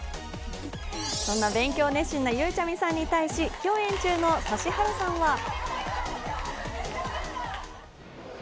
そんな勉強熱心なゆうちゃみさんに対し、共演中の指原さんは。